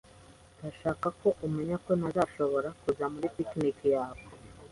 Ndashaka ko umenya ko ntazashobora kuza muri picnic yawe